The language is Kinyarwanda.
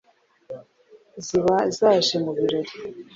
ziba zaje mu birori,